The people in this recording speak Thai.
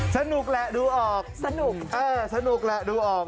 สนุกแหละดูออกสนุกเออสนุกแหละดูออก